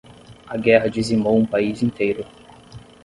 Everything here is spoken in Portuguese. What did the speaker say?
A guerra dizimou um país inteiro